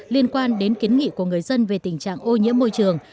liên quan đến kiến nghị của người dân về tình trạng ô nhiễm môi trường